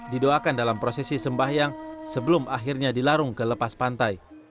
didoakan dalam prosesi sembahyang sebelum akhirnya dilarung ke lepas pantai